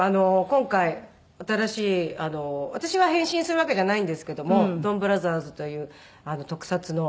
今回新しい私は変身するわけじゃないんですけども『ドンブラザーズ』という特撮の。